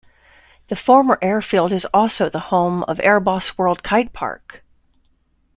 The former airfield is also the home for Airbossworld Kitepark.